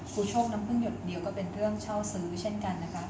โชคน้ำพึ่งหยดเดียวก็เป็นเรื่องเช่าซื้อเช่นกันนะคะ